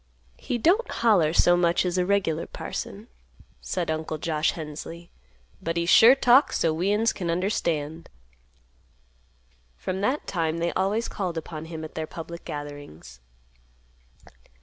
"He don't holler so much as a regular parson," said Uncle Josh Hensley, "but he sure talks so we'uns can understand." From that time they always called upon him at their public gatherings.